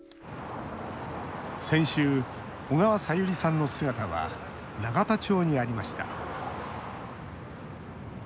先週、小川さゆりさんの姿は永田町にありました。